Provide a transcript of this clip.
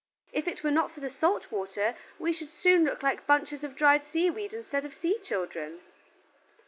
If it were not for the salt water we should soon look like bunches of dried sea weed instead of sea children."